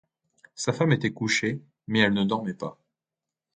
Sa femme était couchée, mais elle ne dormait pas.